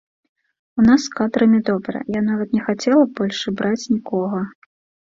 У нас з кадрамі добра, я нават не хацела б больш браць нікога.